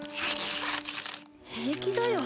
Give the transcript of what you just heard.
平気だよ